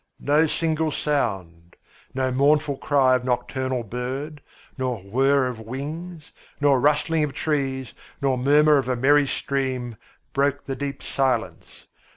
No single sound no mournful cry of nocturnal bird, nor whirr of wings, nor rustling of trees, nor murmur of a merry stream broke the deep silence.